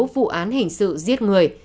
vụ án hình sự giết người